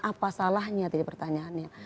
apa salahnya tadi pertanyaannya